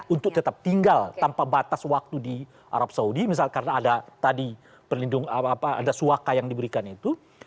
untuk tetap tinggal tanpa batas waktu di arab saudi misalnya karena ada tadi perlindungan apa ada suaka yang diberikan itu